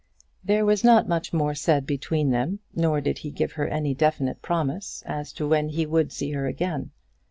There was not much more said between them, nor did he give her any definite promise as to when he would see her again.